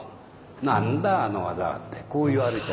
なんだあの技は！ってこう言われちゃう。